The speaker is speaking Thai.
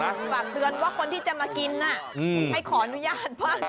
ฝากเตือนว่าคนที่จะมากินน่ะให้ขออนุญาตบ้าง